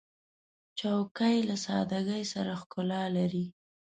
چوکۍ له سادګۍ سره ښکلا لري.